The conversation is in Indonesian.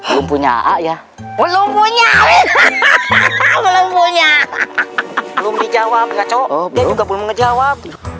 belum punya belum punya belum dijawab